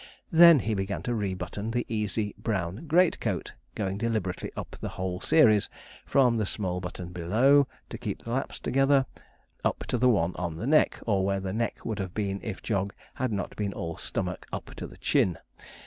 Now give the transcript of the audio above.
Then he began to rebutton the easy, brown great coat, going deliberately up the whole series, from the small button below, to keep the laps together, up to the one on the neck, or where the neck would have been if Jog had not been all stomach up to the chin.